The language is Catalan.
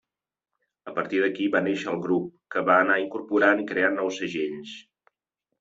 A partir d'aquí va néixer el grup, que va anar incorporant i creant nous segells.